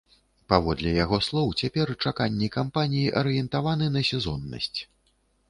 Паводле яго слоў, цяпер чаканні кампаній арыентаваны на сезоннасць.